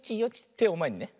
てをまえにね。